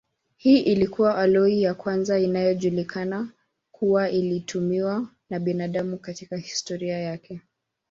Hii ilikuwa aloi ya kwanza inayojulikana kuwa ilitumiwa na binadamu katika historia yake.